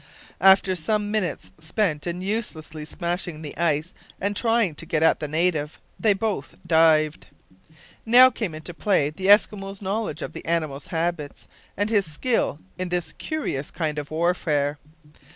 After some minutes spent in uselessly smashing the ice and trying to get at the native, they both dived. Now came into play the Eskimo's knowledge of the animal's habits and his skill in this curious kind of warfare.